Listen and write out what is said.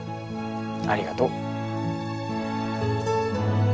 ありがとう。